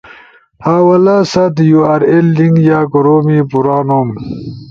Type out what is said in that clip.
حوالہ ست یو آر ایل لنک یا کورومی پورا نوم۔